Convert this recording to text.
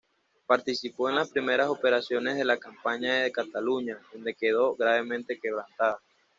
Participó en las primeras operaciones de la Campaña de Cataluña, donde quedó gravemente quebrantada.